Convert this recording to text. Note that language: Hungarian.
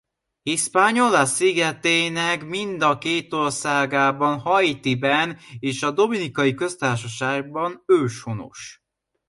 Hispaniola szigetének mind a két országában Haitiben és a Dominikai Köztársaságban őshonos.